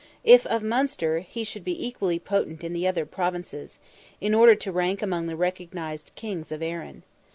If of Munster, he should be equally potent in the other Provinces, in order to rank among the recognised kings of Erin.